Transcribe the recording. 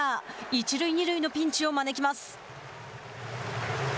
一塁二塁のピンチを招きます。